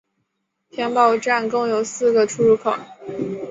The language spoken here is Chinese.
天宝站共有四个出入口。